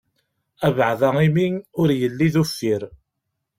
Abeɛda imi, ur yelli d uffir.